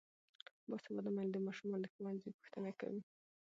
باسواده میندې د ماشومانو د ښوونځي پوښتنه کوي.